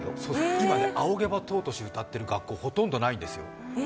今「仰げば尊し」を歌っている学校ほとんどないんですよ。